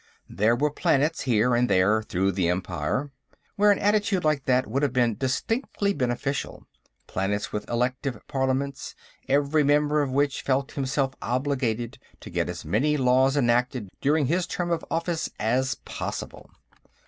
There were planets, here and there through the Empire, where an attitude like that would have been distinctly beneficial; planets with elective parliaments, every member of which felt himself obligated to get as many laws enacted during his term of office as possible.